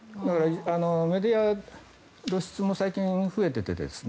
メディア露出も最近、増えてて。